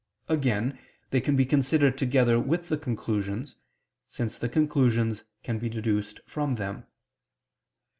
Again they can be considered together with the conclusions, since the conclusions can be deduced from them.